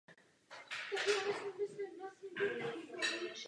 Po těchto úspěších uvažovali císařští velitelé i o dalších akcích.